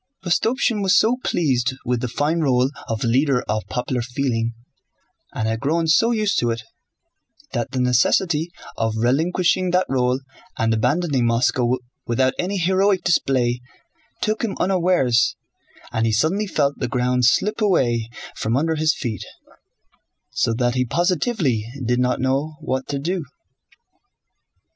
Rostopchín was so pleased with the fine role of leader of popular feeling, and had grown so used to it, that the necessity of relinquishing that role and abandoning Moscow without any heroic display took him unawares and he suddenly felt the ground slip away from under his feet, so that he positively did not know what to do.